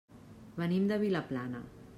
Venim de Vilaplana.